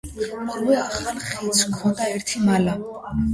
ორივე ახალ ხიდს ჰქონდა ერთი მალა.